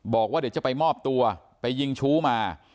บอกว่าเดี๋ยวจะไปมอบตัวไปยิงชู้มา